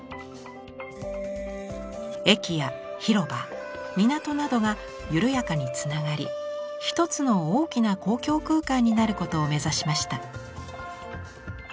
駅や広場港などが緩やかにつながり一つの大きな公共空間になることを目指しました。